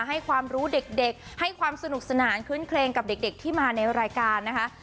ให้ความรู้เด็กให้ความสนุกสนานคื้นเครงกับเด็กที่มาในรายการนะคะ